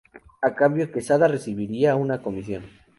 A cambio, Quesada recibiría una comisión.